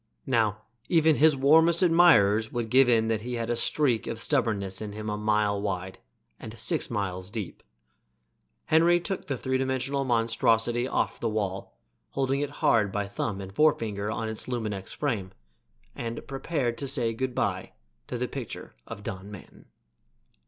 Now, even his warmest admirers would give in that he had a streak of stubbornness in him a mile wide and six miles deep. Henry took the three dimensional monstrosity off the wall, holding it hard by thumb and forefinger on its luminex frame, and prepared to say good by to the picture of Don Manton.